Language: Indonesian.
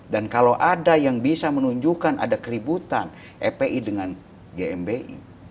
dan kalau ada yang bisa menunjukkan ada keributan fpi dengan gmbi